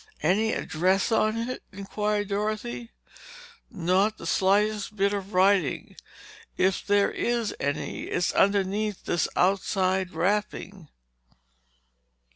"Any address on it?" inquired Dorothy. "Not the slightest bit of writing. If there is any, it's underneath this outside wrapping."